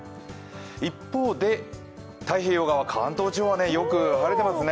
一方で太平洋側、関東地方はよく晴れてますね。